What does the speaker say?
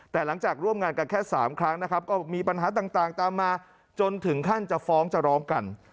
แต่หลังจากร่วมงานกันแค่๓ครั้งนะครับก็มีปัญหาต่างตามมาจนถึงขั้นจะฟ้องจะร้องกัน